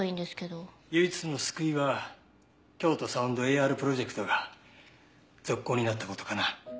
唯一の救いは京都サウンドＡＲプロジェクトが続行になった事かな。